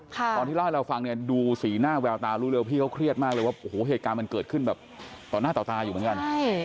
ตอนที่เล่าให้เราฟังเนี่ยดูสีหน้าแววตารู้เร็วพี่เขาเครียดมากเลยว่าโอ้โหเหตุการณ์มันเกิดขึ้นแบบต่อหน้าต่อตาอยู่เหมือนกัน